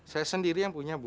saya sendiri yang punya